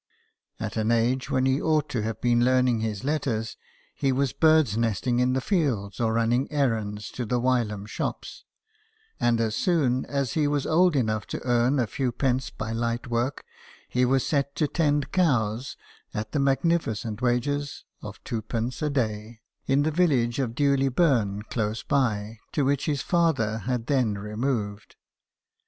At an age when he ought to have been learning his letters, he was bird's nesting in the fields or running errands to die Wylam shops ; and as soon as he was old enough to earn a few pence by light work, he was set to tend cows at the magnificent wages of twopence a day, in the village of Dewley Burn, close by, to which his father had then removed.